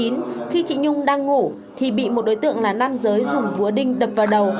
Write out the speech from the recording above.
nguyễn văn kiên ngủ thì bị một đối tượng là nam giới dùng vúa đinh đập vào đầu